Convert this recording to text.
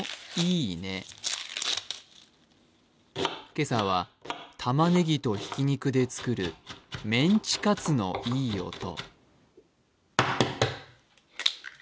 今朝はたまねぎとひき肉で作るメンチカツのいい音。